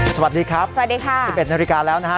สวัสดีครับสวัสดีค่ะ๑๑นาฬิกาแล้วนะฮะ